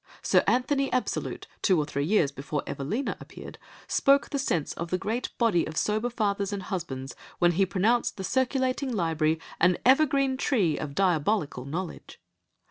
Sir Anthony Absolute, two or three years before Evelina appeared, spoke the sense of the great body of sober fathers and husbands, when he pronounced the circulating library an evergreen tree of diabolical knowledge.